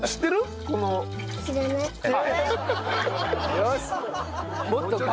よし！